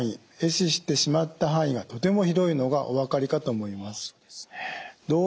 死してしまった範囲がとても広いのがお分かりかと思います。